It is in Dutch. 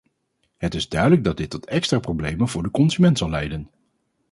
Het is duidelijk dat dit tot extra problemen voor de consument zal leiden.